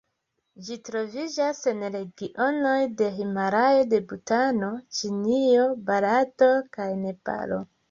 Ĝi troviĝas en regionoj de Himalajo de Butano, Ĉinio, Barato kaj Nepalo.